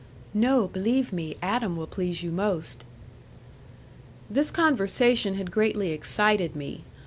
"No; believe me, Adam will please you most." This conversation had greatly excited me.